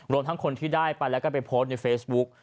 รวมทั้งคนที่ได้ไปแล้วก็ไปโพสต์ในเฟซบุ๊ก